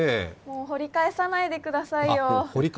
掘り返さないでくださいよ。